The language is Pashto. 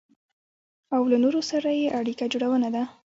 او له نورو سره يې اړيکه جوړونه ده.